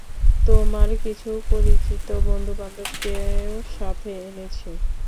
তোমার কিছু পরিচিত বন্ধুবান্ধবকেও সাথে এনেছি।